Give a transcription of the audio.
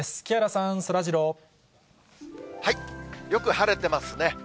木原さん、そらジロー。よく晴れてますね。